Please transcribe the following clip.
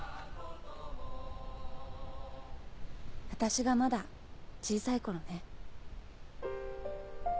私がまだ小さい頃ね。